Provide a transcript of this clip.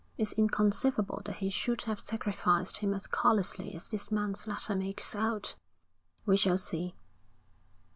It's inconceivable that he should have sacrificed him as callously as this man's letter makes out.' 'We shall see.'